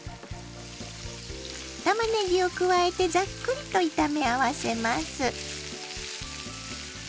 たまねぎを加えてざっくりと炒め合わせます。